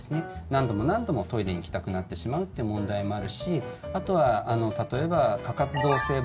何度も何度もトイレに行きたくなってしまうっていう問題もあるしあとは例えば過活動性